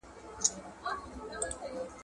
څوک په ټولنه کي سياسي واک لري؟